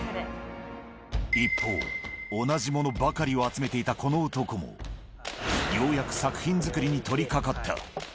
一方、同じものばかりを集めていたこの男も、ようやく作品作りに取りかかった。